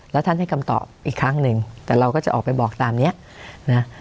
แล้วท่านให้คำตอบอีกครั้งหนึ่งแต่เราก็จะออกไปบอกตามเนี้ยนะ